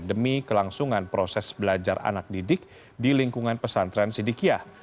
demi kelangsungan proses belajar anak didik di lingkungan pesantren sidikiah